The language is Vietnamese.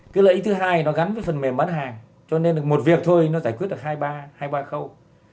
cái lợi ích thứ hai nó gắn với phần mềm bán hàng cho nên một việc thôi nó giải quyết được hai ba khâu